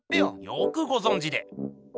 よくごぞんじで。